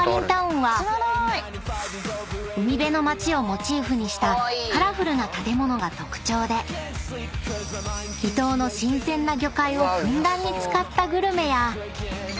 ［海辺の街をモチーフにしたカラフルな建物が特徴で伊東の新鮮な魚介をふんだんに使ったグルメや］